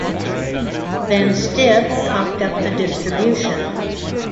Then Stiff cocked up the distribution.